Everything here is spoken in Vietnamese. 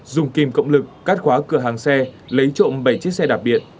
dùng kim cộng lực cắt khóa cửa hàng xe lấy trộm bảy chiếc xe đạp điện